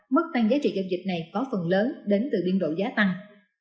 mức tăng giá trị giao dịch này có phần lớn đến từ biên độ giá tăng